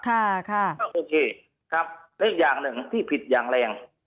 ค่ะก็โอเคครับและอีกอย่างหนึ่งที่ผิดอย่างแรง